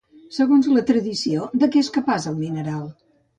Segons la tradició, de què és capaç el mineral?